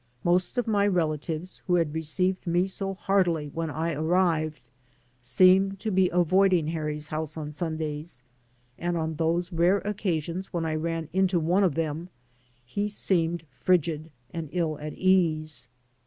Most of my relatives, who had received me so heartily when I arrived, seemed to be avoiding Harry's house on Sundays, and on those rare occasions when I ran into one of them he seemed frigid and ill at ease.